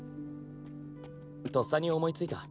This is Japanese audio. とっさに思いついた。